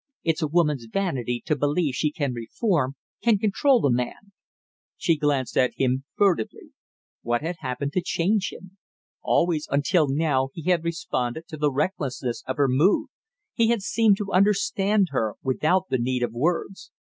"It's a woman's vanity to believe she can reform, can control a man." She glanced at him furtively. What had happened to change him? Always until now he had responded to the recklessness of her mood, he had seemed to understand her without the need of words.